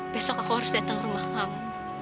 besok aku harus datang ke rumah kamu